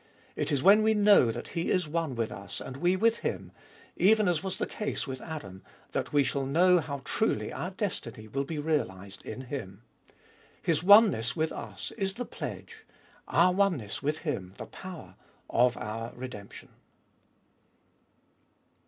It is when we know that He is one with us and we with Him, even as was the case with Adam, that we shall know how truly our destiny will be realised in Him. His oneness with us is the pledge, our oneness with Him the power, of our redemption.